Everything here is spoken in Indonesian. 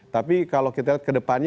tapi kalau kita lihat ke depannya